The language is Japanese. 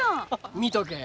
見とけえ。